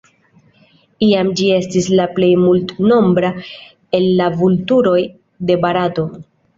Iam ĝi estis la plej multnombra el la vulturoj de Barato.